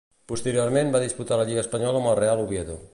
Posteriorment va disputar la lliga espanyola amb el Real Oviedo.